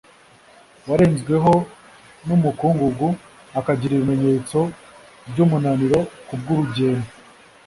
warenzweho n'umukurugugu, akagira ibimenyetso by'umunaniro ku bw'urugendo